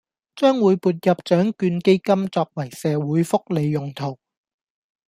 將會撥入獎卷基金作為社會福利用途